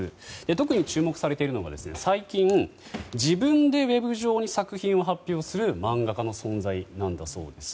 特に注目されているのが最近、自分でウェブ上に作品を発表する漫画家の存在なんだそうです。